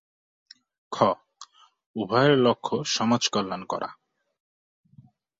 খ. উভয়ের লক্ষ্য সমাজকল্যাণ করা